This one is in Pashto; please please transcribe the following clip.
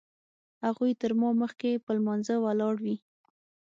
هغوی تر ما مخکې په لمانځه ولاړ وي.